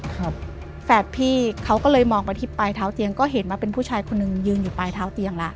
แฝดพี่เขาก็เลยมองไปที่ปลายเท้าเตียงก็เห็นว่าเป็นผู้ชายคนหนึ่งยืนอยู่ปลายเท้าเตียงแล้ว